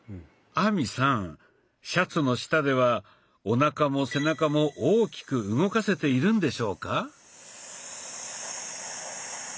亜美さんシャツの下ではおなかも背中も大きく動かせているんでしょうか？